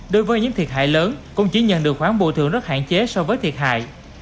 đối với những thiệt hại lớn cũng chỉ nhận được khoản bồi thường rất hạn chế so với thiệt hại